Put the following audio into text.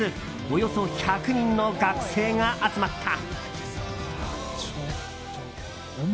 およそ１００人の学生が集まった。